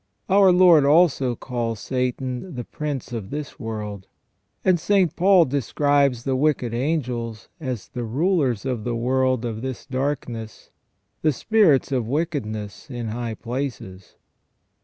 Our Lord also calls Satan " the prince of this world "; and St. Paul describes the wicked angels as *' the rulers of the world of this darkness, the spirits of wickedness in high places